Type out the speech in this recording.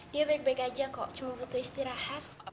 dia baik baik aja kok cuma butuh istirahat